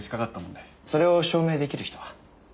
それを証明出来る人は？